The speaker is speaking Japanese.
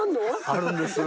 あるんです。